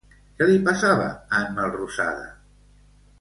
Què li passava a en Melrosada?